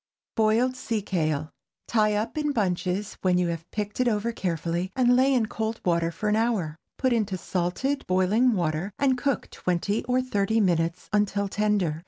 BOILED SEA KALE. Tie up in bunches when you have picked it over carefully, and lay in cold water for an hour. Put into salted boiling water, and cook twenty or thirty minutes until tender.